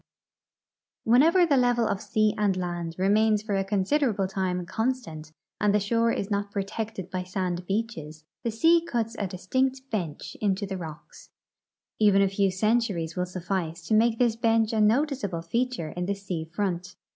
332 THE ECONOMIC ASPECTS OF SOIL EROSION Whenever the level of sea and land remains for a considerable time constant and the shore is not protected by sand beaches, the sea cuts a distinct bench into the rocks. Even a few cen turies will suffice to make this bench a noticeable feature in the sea front.